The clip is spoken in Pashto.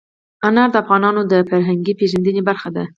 انار د افغانانو د فرهنګي پیژندنې برخه ده.